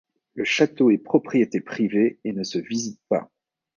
Le château est propriété privée et ne se visite pas.